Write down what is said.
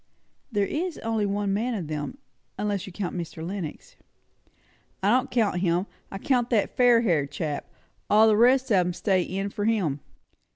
"There is only one man of them; unless you count Mr. Lenox." "I don't count him. I count that fair haired chap. All the rest of 'em are stay in' for him."